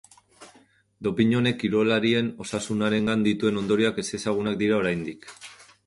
Dopin honek kirolarien osasunarengan dituen ondorioak ezezagunak dira oraindik.